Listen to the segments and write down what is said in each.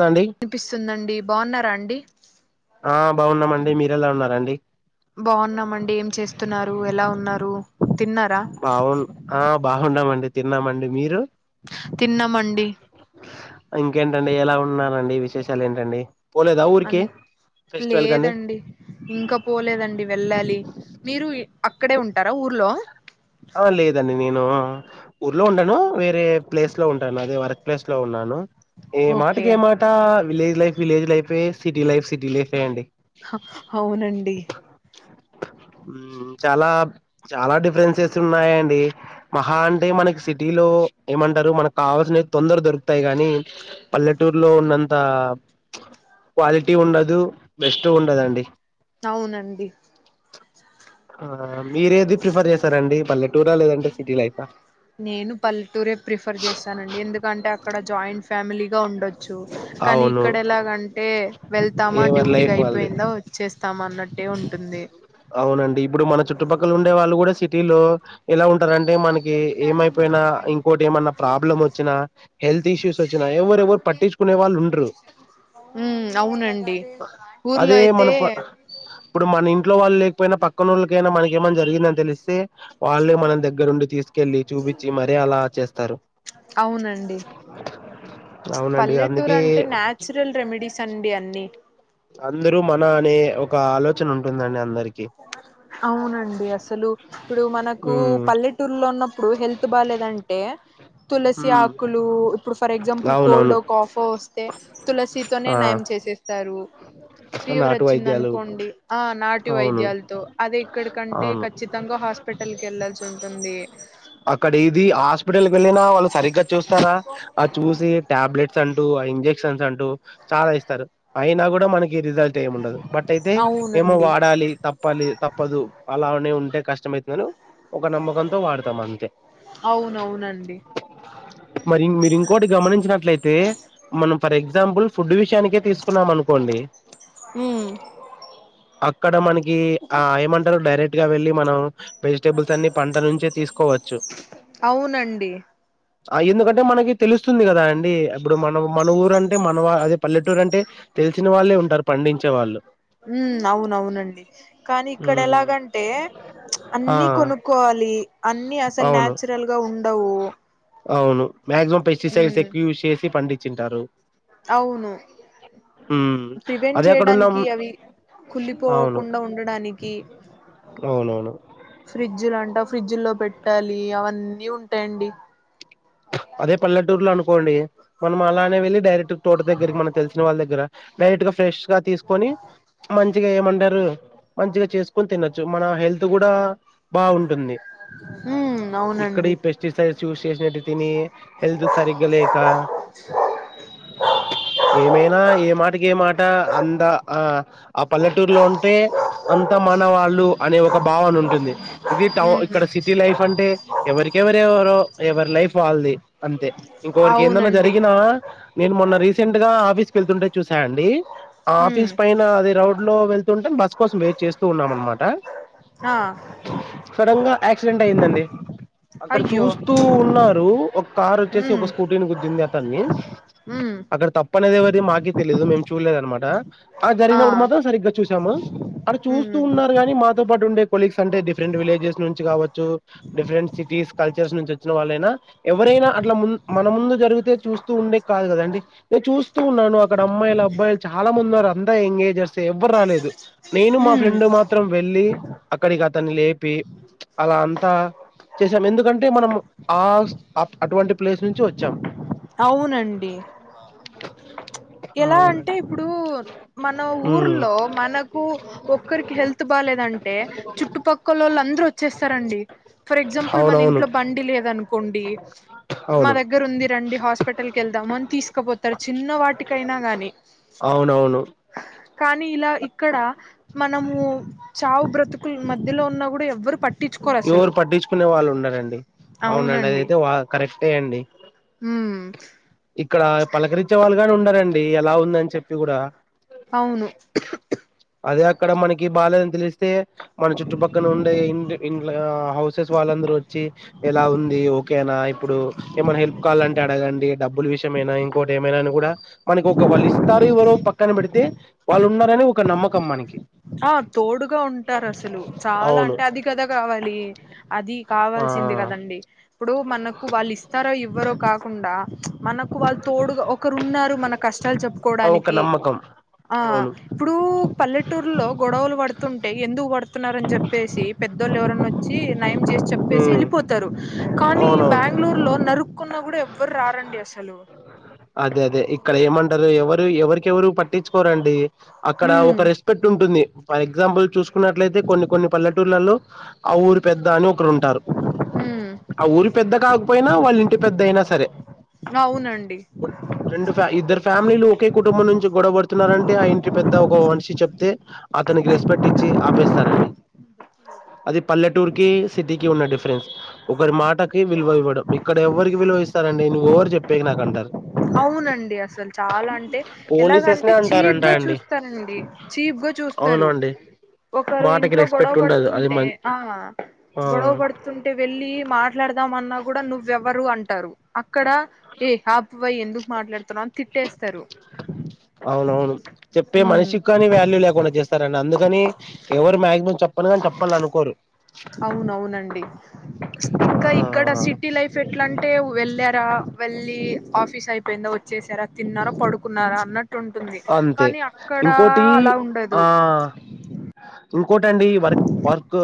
దండి వినిపిస్తుందండి బాగున్నారా అండి ఆ బాగున్నామండి మీరెలా ఉన్నారండి బాగున్నామండి ఏం చేస్తున్నారు ఎలా ఉన్నారు తిన్నారా బాగున్ ఆ బాగుంనామండి తిన్నామండి మీరు తిన్నామండి ఇంకేంటండి ఎలా ఉన్నారండి విశేషాలు ఏంటండి పోలేదా ఊరికి అన్ ఫెస్టివల్ కండి లేదండి ఇంకా పోలేదండి వెళ్ళాలి మీరు అక్కడే ఉంటారా ఊర్లో ఆ లేదండి నేన్ ను ఊర్లో ఉండను వే రే ప్లేస్ లో ఉంటాను అదే వర్ ప్లేస్ లో ఉన్నాను ఏ ఓకే మాటకి ఏమాట విలేజ్ లైఫ్ విలేజ్ లైఫే సిటీ లైఫ్ సిటీ లైఫే అండి హా అవునండి ఉమ్ చాలా చాలా డిఫరెన్సెస్ స్ ఉన్నాయాండి మహా అంటే మనకి సిటీలో ఏమంటారు మనకు కావాల్సిన తొందర దొరుకుతాయి కాని పల్లెటూరులో ఉన్నంత క్వాలిటీ ఉండదు బెస్ట్ ఉండదండి అవునండి. ఆ మీరేది ప్రిఫర్ చేస్తారండి పల్లె టూర్ ఆ లేదంటే సిటీ లైఫ నేను పల్లెటూరే ప్రిఫర్ చేస్తానండి. ఎందుకంటే అక్కడ జాయింట్ ఫ్యామిలీగా ఉండొ చు. కానీ అవును ఇక్కడ ఎలాగంటే వెళ్తామా ఎవరి డ్యూటీకి లైఫ్ వాళ్ళది. అయిపోయిందా వచ్చేస్ స్తాం అన్నట్టే ఉంటుంది. అవునండి ఇప్పుడు మన చుట్టుపక్కల ఉండే వాళ్ళు గుడా సిటీలో ఎలా ఉం టరంటే మనకి ఏమైపోయినా ఇంకోటి ఏమన్నా ప్రాబ్లం వచ్చినా, హెల్త్ ఇష్యూస్ వచ్చినా ఎవరు ఎవరు పట్టించుకునే వాళ్ళు ఉండరు. ఉమ్ అవునండి ఊర్లో అదే అయితే మన ప ఇప్పుడు మన ఇంట్లో వాళ్ళు లేకపోయినా పక్ పక్కనోళ్లకైనా మనక్ ఏమన్న జరిగిందని తెలిస్తే వల్లే మనం దగ్గరుండి తీసుకెళ్ళి, చూపించి మరి అలా చేస్తారు అవునండి అవునండి అందుకే సిండి అన్నీ. అందరూ మన అనే ఒక ఆలోచన ఉంటుందండి అందరికి అవునండి అసలు ఇప్పుడు మనకు ఉమ్ పల్లెటూర్లో ఉన్న ఇప్పుడు హెల్త్ బాలేదంటే తులసి ఉమ్ ఆకులు ఇప్పుడు ఫర్ ఎగ్జాంపుల్ అవునవును కోల్డో కాఫో వస్తే తులసితోనే ఆ నయం చేసేస్తారు ఫీవర్ నాటు వచ్చింది వైద్యాలు అనుకోండి ఆ నాటి అవును వైద్యాలతో అదేక్కడికంటే అవును ఖచ్చితంగా హాస్ అక్కడ ఇది హాస్పిటల్ వెళ్ళిన వాళ్ళు సరిగ్గా చూస్త ఆ అది చూసి టాబ్లెట్స్ అం టూ ఆ ఇంక్షన్ అంటూ సాగదిస్తారు. అయినా గుడా మన కి రిజల్ట్ ఏం ఉండదు. బట్ అయితే ఏమో అవునండి వాడాలి తప్పాలి తప్పదు అలా అనే ఉం టే కష్టమైతుందనో ఒక నమ్మకంతో వాడతాం అంతే అవునవునండి మరింగ్ మిరింగ్ ఇంకోటి గమనించినట్లయితే మనం ఫర్ ఎగ్జాంపుల్ ఫుడ్ విషయానికే తీస్ కున్నాం అనుకోండి ఉమ్ అక్కడ మనకి ఈ ఆ ఏమంటారు డైరెక్ట్ ఇగ వెళ్ళి మనం వెజిటబుల్స్ అన్ని పంట నుంచి తీస్కోవచ్చు. అవునండి ఆ ఎందుకంటే మనకి తెలుస్తుంది కదా అండి ఇప్పుడు మన మన ఊర అంటే మన అది పల్లెటూరు అంటే తెలిసిన వాళ్ళే ఉంటారు పండించే వాళ్ళు ఉమ్ అవునవునండి కానీ ఇక్కడ ఉమ్ ఎలాగంటే ఆ అన్ని కొనుక్కోవాలి అన్ని అసలు అవును నాచురల్ గా ఉ అండవు అవును మాక్సిమం పెస్టిసైడ్ ఎక్కువ యూస్ చేసి పండించింటారు అవును ఉమ్ ప్రివెంట్ అదే అక్కడన్నా చేయడానికి అవి అవును కుళ్ళిపోకుండా ఉండడానికి అవునవును ఫ్రిడ్జ్లు అంట ఫ్రిడ్జ్ల్లో పెట్టాలి అవన్నీ ఉంటాయండి అదే పల్లెటూరు లో అనుకోండి మనం అలానే వెళ్ళి డైరెక్ట్ తోట దగ్గరికి మనం తెలిసిన వాళ్ళ దగ్గర లైట్గా ఫ్రెష్ గా తీసుకొని మంచిగా ఏమంటారు మంచిగా చేసుకొని తినొచ్చు మన హెల్త్ కూడా బాగుంటుంది ఉమ్ ఇక్కడ అవునండి ఈ పెస్టిసైడ్స్ యూస్ చేసినేటివి తిని హెల్త్ సరిగ్గా లేక ఏమైనా ఏ మాటకి ఏ మాట అంద ఆ ఆ పల్లెటూర్ లో ఉంట ే అంత మనవాళ్ళు అనే ఒక భావన ఉంటుంది ఇది టౌన్ ఉమ్ ఇక్కడ సిటీ లైఫ్ అంటే ఎవరికెవరవరో ఎవరి లైఫ్ అంతే ఇంకోవరికి ఏందన్నా అవునండి జరిగినా నేను మొన్న రీస సెంట్ గా ఆఫీస్ కి వెళ్తుంటే చూసా అండి ఉమ్ ఆఫీస్ పైన అదే రౌడ్ లో వెళ్తుంటే బస్సు కోసం వెయిట్ చేస్తూ ఉన్నాం అనమాట ఆ సడన్ గా యాక్సిడెంట్ అయిందండి అక్కడ అయ్యో చూస్తూ ఉన్నారు ఒక కారు వచ్చేసి ఉమ్ ఒక స్కూటీ నీ గుద్దింది అతనిని ఉమ్ అక్కడ తప్పు ప్ప అనేది ఎవరిది మాకే తెలియదు మేము చూడలేదు అనమాట ఆ జరిగినప్పుడు మాత్రం సరిగ్గా చూస చాము అది ఉమ్ చూస్తూ ఉన్నారు గాని మా పాటు ఉండే కొలీగ్స్ అంటే డిఫరెంట్ విలేజెస్ నుంచి కావచ్చు డిఫరెంట్ సిటీస్ కల్చర్స్ నుంచి వచ్చిన వాళ్ళైనా ఎవరైనా అట్లా ముందు మన ముందు జరిగితే చూస్తూ ఉండే కాదు కదా అంటే నేను చూస్తూ ఉన్నాను అక్కడ అమ్మాయిలు అబ్బాయిలు చాలా మందిన్నారు అంతా ఎంగేజర్స్ ఎవ్వరు రాలేదు నేను మా ఉమ్ ఫ్రెండ్ మాత్రం వెళ్ళి అక్కడికి అతన్ని లేపి అలా అంతా చేసాం ఎందుకంటే మనం ఆ అటువంటి ప్లేస్ నుంచి వచ్చాం అవునండి ఎలా అంటే అవునండి ఇప్పుడు మన ఉమ్ ఊర్లో మనకు ఒక్కరికి హెల్త్ బాేదంటే చుట్టుపక్కల వాళ్ళు అందరుూ వచ్చేస్తారంండి ఫర్ ఎగ్జాంపుల్ మన అవునవును ఇంట్లో బండి లేదనుకో ఉండి మా అవును దగ్గర ఉంది రండి హాస్పిటల్ క వెళ్దాం అని తీసుకుపోతారు చిన్న వాటికి కైనా కాగానీ అవునవును కానీ ఇలా ఇక్కడ మనము చావు బ్రతుకుల మధ్యలో ఉన్నా కూడా ఎవ్వరు పట్టించుకోరు అసలు ఎవరు పట్టించుకునే వాళ్ళు ఉండారండి అవునండి అదయితే వా కరెక్టే అండి ఉమ్ ఇక్కడ పలకరించే వాళ్ళు గానే ఉండారంండి ఎలా ఉందని చెప్పి కూడా అవును అదే అక్కడ మనకి బాల తెలిస్తే మన చుట్టుపక్కన ఉండే ఇంటి ఇంట్ల హౌసెస్ వాళ్ళందరూ వచ్చి ఎలా ఉంది ఓకేనా ఇప్పుడు ఏమైనా హెల్ప్ కావాలంటే అడగండి డబ్బుల విషయమైనా ఇంకోటి ఏమైనా అని కూడా మనకి వాళ్ళున్నరని ఒక నమ్మకం మనకి ఆ తోడుగా ఉంటారు అసలు చాలా అవును అంటే అది కద కావాలి అది కావాల్సింది కదండి ఇప్పుడు మనకు వాళ్ళు ఇస్తారో ఇవ్వరో కా కుండా మన కె వాళ్ళు తోడుగ ఒకరు ఉన్నారు మన కష్టాలు ఆ ఒక చెప్పుకోడానికి నమ్మకం ఆ అవును ఇప్పుడు పల్టీల్ ల్ల్టూరులో గొడవలు పడుతుంటే ఎందుకు పడుతున్నారని చెప్పేసి పెద్దోళ్ళు ఎవరన్న వచ్చి నయం చేసి చెప్పేసి హ్మ్ ఎళ్ళిపోతారు కానీ అవునవును బాన్గుళూర్లో నరుక్కున్న కూడ ఎవ్వర్ రారండి అసలు అదే అదే ఇక్కడ ఏమంటరు ఎవరు ఎవరి ఎవరు పట్టించుకోరండి అక్కడ ఒక ఉమ్ రెస్పెక్ట్ ఉంటుంది ఫర్ ఎక్సాంపుల్ చు కున్నట్లయితే కొన్ని కొన్ని పల్లెటూళ్లలో ఆ ఊరు పెద్ద అని ఒకరు ఉంటారు ఉమ్ ఆ ఊరు పెద్ద కాకపోయినా వాళ్ళ ఇంటి పెద్ద అయినా సరే అవునండి రెండు ఫ ఇద్దరు ఫ్యామిలీలు ఒకే కుటుంబం నుంచి గొడబడుతున్నారంటే ఆ ఇంటి పెద్ద ఒక మనిషి చెప్తే అతనికి రెస్పెక్ట్ ఇచ్చి ఆపేస్తారండి అది పల్లెటూర్కి సిటీకి ఉన్న డిఫరెన్స్ ఒకరి మాటకి విలువ ఇవ్వడం ఇక్కడ ఎవరికి విలువ ఇస్తారండి నువ్వు ఎవరు చెప్పేకి నాకు అంటారు అవునండి అసలు చాలా అంటే పోలీసెస్ ఎలాగంటే నే చీప్ అంటారంట గా అండి చూస్తారండి చీప్గా చూస్తారు అవునండి ఒకరు మాటకి ఇంట్లో గొడవ రెస్పెక్ట్ ఉండదు అది మ పడుతుంటే ఆ ఆ గొడవ పడుతుంటే వెళ్ళి మాట్లాడదామన్నా కూడా నువ్వెవరు అంటారు క్కడా ఏ ఆ ఎందుకు మాట్లాడుతున్నావ్ అని తిట్టేస్తారు అవునవును చెప్పే మనిషికి కని వాల్యూ లేకుండా చేస్తారన్డి అందుకని ఎవరు మాక్సిమం చెప్పను కాని చెప్పాలనుకోరు అవునవునండి ఆ ఇంకా ఇక్కడ సిటీ లైఫ్ ఎట్లా అంటే వెళ్ళారా వెళ్ళి ఆఫీస్ అయిపోయింద వచ్చేసార తిన్నారా పడుకున్నారా అన్నట్ ట్టు ఉంటుంది అంతే కానీ అక్కడ ఇంకోటి అలా ఆ ఉండదు ఇంకోటండి వర్క్ వర్క్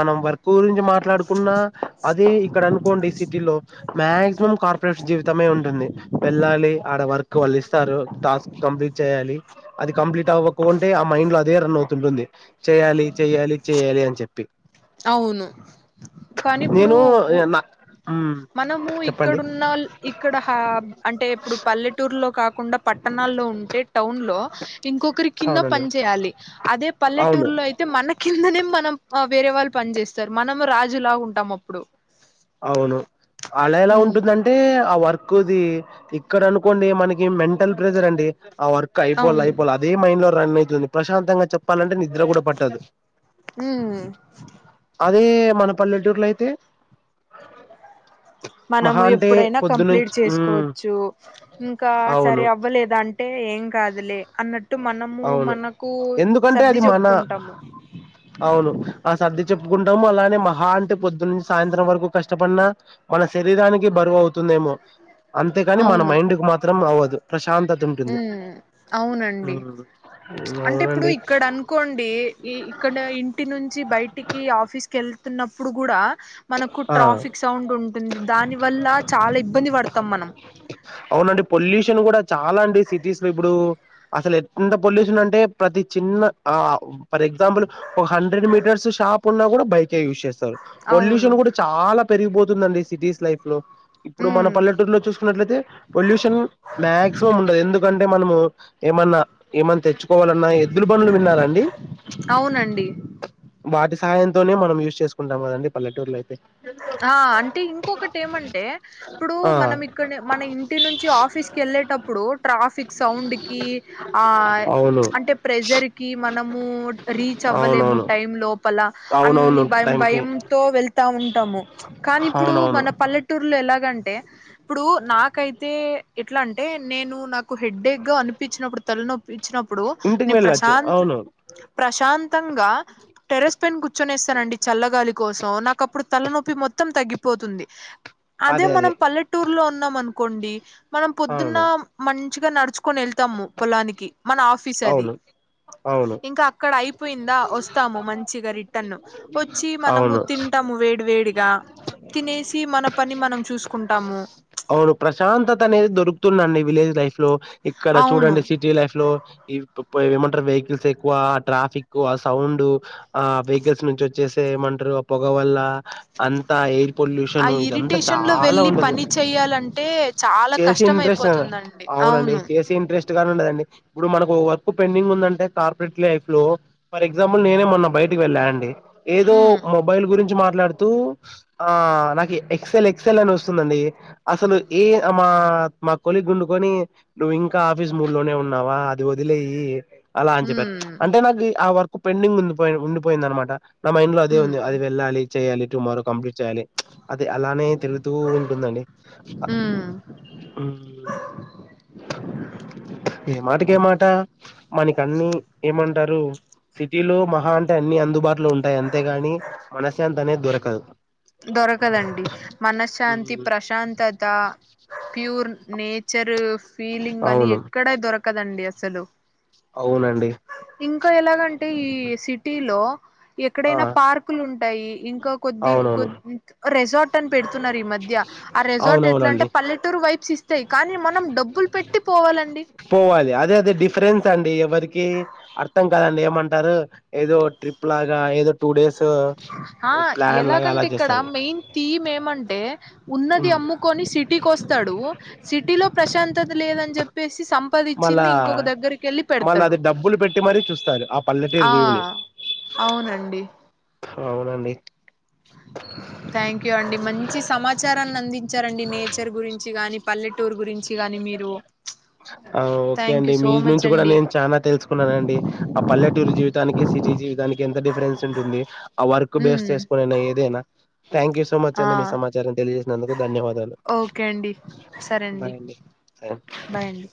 మనం వర్క్ గురించి మాట్లాడుకున్నా అదే ఇక్కడ అనుకోండి సిటీలో మాక్సిమం కార్పొరేషన్ జీవితమే ఉంటుంది వెళ్ళాలి ఆడ వర్క్ వాల్లిస్తారు టాస్క్ కంప్లీట్ చేయాలి అది కంప్లీట్ అవ్వకో కుంటే ఆ మైండ్ లో అదే రన్ అవుతుంటుంది చేయాలి చెయాలి చెయాలి అని చెప్పి అవును కాని ఇప్పుడు నేను ఉ నా మ్మ్ మనము చెప్పండి ఇక్కడున్నొల్ ఇక్కడ హా అంటే ఇప్పుడు పల్లెటూరులో కాకుండా పట్టణాల్లో ఉంటే టౌన్ లో ఇంకొకరి కింద అవునండి పని చేయాలి అదే అవును పల్లెటూరులో అయితే మన కిం దనే మనం వేరే వాళ్ళు పని చేేస్తారు మనము రాజులా ఉంటాం అప్పుడు అవును అలా ఎలా ఉమ్ ఉంటుందంటే ఆ వర్క్ ఎక్కుది ఇక్కడ అనుకోండి మనకి మెంటల్ ప్రెషర్ అండి ఆ వర్క్ అయిపోల అవును అయిపోల అదే మైండ్ లో రన్ అయి తుంది ప్రశాంతంగా చెప్ ప్పాలంటే నిద్ర కూడా పట్టదు ఉమ్ అదే మన పల్లెటూర్లో అయితే మనము మహా అంటే ఎప్పుడైనా కంప్లీట్ పొద్దునుంచి మ్మ్ చేసుకోవచ్చు ఇంకా అవును సరే అవ్వలేదా అం టే ఏం కాదులే అన్నట్టు మనము అవును మనకు ఎందుకంటే సర్ది అది మన చెప్పుకుంటాము అవును ఆ సర్ది చెప్పుకుంటాము అలానే మహా అంటే పొద్దు నుంచి సాయంత్రం వరకు కష్టపడిన మన శరీరానికి బరువు అవుతుందేమో అంతేకాని మన అవును మైండ్ కు మాత్రం అవ్వదు ప్రశాంతత ఉంటుంది అండి ఉమ్ అంటే ఇప్పుడు అవునండి ఇక్కడ అనుకోండి ఇక్కడ ఇంటి నుంచి బయటికి ఆఫీస్ కి ఎల్ తున్నప్పుడు కూడా మనకు ఆ ట్రాఫిక్ సౌండ్ ఉంటుంది దాని వల్ల చాలా ఇబ్బంది పడతాం మనం షన్ చాలా అండి సిటీస్ లో ఇప్పుడు అసలు ఎంత పొల్యూషన్ అంటే ప్రతి చిన్న ఫర్ ఎగ్జాంపుల్ ఒక హండ్రెడ్ మీటర్స్ షాప్ ఉన్నా కూడా బైకే యూస్ చేస్ స్తారు పొల్యుష్ అవును షను కూడా చాలా పెరిగిపోతుందండి సిటీస్ లైఫ్ లో ఇప్పుడు మన ఉమ్ పల్లెటూరులో చూసుకున్నట్లయితే పొల్యూషన్ మాక్సిమం ఉండదు ఎందుకం మనము ఏమన్నా ఏమ తెచ్చు వాలన్నా ఎద్దులు పనులు విన్నారండి అవునండి వాటి సహయంతోనే మనం యూస్ చేకుంటాము కదండీ పల్లె టర్లేతే ఆ అంటే ఇంకొకటి ఏమంటే, ఇప్పుడు ఆ మనం ఇక్కడ మన ఇంటి నుంచి ఆఫీస్కి వెళ్ళేటప్పుడు, ట్రాఫిక్ సౌండ్ కి, ఆ అవును అంటే ప్రెజర్ కి మనము రీచ్ అవ్వలేము అవునవును టైమ్ లో లోప్పల అవునవును అన్ని భయం టైంకి భయంతో వెళ్తా ఉంటాము కానీ ఇప్పుడు అవునవును మన పల్లెటూరులో ఎలాగ ఎలాగంటే ఇప్పుడు నాకైతే ఎట్లా అంటే నేను నాకు హెడ్డేక్ గా అనిపించినప్పుడు తలనొప్పి వచ్చినప్పుడు ఇంటికి నేను వెళ్ళొచ్చు ప్రశాంత్ అవును ప్రశాంత్ తంగా టెరెస్ట్ పన్ కూర్చొనేస్తనండి చల్లగాలి కో సో నాక్ అప్పుడు తలనొప్ప మొత్తం తగ్గిపోతుంది అదే మనం పల్లెటూర్లో ఉన్నాం అనుకోండి మనం పొద్దున్న అవును మన్ చీగ నడుచుకొని వెళ్తాము పొలానికి మన ఆఫీస్ అది, అవును అవును ఇంకా అక్కడ అయిపోయిందా వస్తాము మంచిగా రిటర్న్, వచ్చి మనము అవును తింటాము వేడి వేడి చూసుకుంటాము అవును ప్రశాంతతనేది దొరుకుతుందండి విలేజ్ లైఫ్ లో ఇక్కడ అవును చూడండి సిటీ లైఫ్ లో ఏమంటారు వెహికల్స్ ఎక్కువ ఆ ట్రాఫిక్, ఆ సౌండు, ఆ వెహికల్స్ నుంచి వచ్చేసే ఏమంటారు ఆ పొగ వల్ల అంతా ఎయిర్ ఆ పొల్యూషన్ ఇదంతా ఇరిటేషన్ లో చాలా వెళ్ళి ఉండదు, పని చెయ్యాలంటే చాలా చేసే కష్టం ఇంట్రెస్ట్ ఉండదు అయిపోతుందండి అవునండి అవును చేసే ఇంట్రెస్ట్ ఇవాళ ఉండదండి ఇప్పుడు మనం వర్క్ పెండింగ్ ఉందంటే కార్పెట్ లైఫ్ లో ఫర్ ఎగ్జామ్ప్లే నేనే మొన్న బయటకి వెళ్ళా అండి ఏదో ఉమ్ మొబైల్ గురించి మాట్ మాట్లాడుతూ ఆ నాకు ఎక్సెల్ ఎక్సెల్ అని వస్తుందండి, అసలు ఏ మా మా కొలీగ్ గుండుకని నువ్వు ఇంకా ఆఫీస్ మూడు లోనే ఉన్నావా అ అది వదిలేయి అలా అని చెప్పారు ఉమ్ అంటే నాకు ఆ వర్ పెండింగ్ ఉండిపోయి ఉండిపోయిందన్నామాట నా మైండ్ లో అదే ఉంది ఉమ్ అది వెళ్ళాలి చెయాలి టుమారో కంప్లీట్ చేయాలి అది అలానే తిరుగుతూ ఉంటుందండి ఉమ్ మ్ ఇ మాటకి ఇంకేం మాట మనక్ అన్ని ఏమంట్ అంటారు సిటీలో మహా అంటే అన్ని అందుబాటులో ఉంటాయి అంతేగాని మనశ్శాంతి అనేది దొరకదు దొరకదండి మనశ్శాంతి ఉమ్, ప్రశాంతత ప్యూర్ నేచ ఫ్యూచర్ ఫీలింగ్ అని అవును ఎక్కడ దొరక కదండి అసలు అవునండి ఇంకా ఎలాగంటే ఈ సిటీ లో ఆ ఎక్కడైనా పార్కులు ఉంటే ఉంటాయి ఇంకా కొద్ది అవునవును రిసార్ట్ ట్టన్ పెడుతున్నరు ఈ మద్య ఆ రెసార్ట్ ఎట్ల అంటే అవునవునండి పల్లెటూరు తే కానీ మనం డబ్బులు పెట్టి పోవాలండి పోవాలి అదే అదే డిఫరెన్స్ అండి ఎవరికి అర్థం కాదండి ఏమంటారు ఏదో ట్రిప్ లాగా ఏదో టూ డేస్ ఆ ప్లాన్ లాగా ఎలాగంటే అలా ఇక్కడ చేస్తారు మెయిన్ థీమ్ ఏమంటే ఉన్నది ఉమ్, అమ్ముకొని సిటీకి వస్తాడు సిటీలో ప్రశాంతత లేదని చెప్పేసి సం మళ్ళా మళ్ళా అది డబ్బులు పెట్టి మరీ చూస్తారు ఆ పల్లెటూరు ఆ వ్యూని అవునండి అవునండి థ్యాంక్యూ అండి మంచి సమాచారాన్ని నంది ఇచ్చారండి నేచర్ గురించి కాని పల్లెటూరు గురించి గాని మీరు ఆ ఓకే థ్యాంక్ అండి యూ మీ సో మచ్ నుంచి కూడా అండి నేను చాలా తెలుసుకున్నానండి ఆ పల్లెటూరు జీవితానికి సిటీ జీవితానికి ఎంత డిఫరెన్స్ ఉంటుంది ఆ వర్క్ బేస్ ఉమ్ చేసుకునేనా ఏదైనా థ్యాంక్ యూ సో మచ్ ఆ అండి మీ సమాచారం తెలియజేసినందుకు ధన్యవాదాలు ఓకే అండి బాయ్ అండి బాయ్ అండి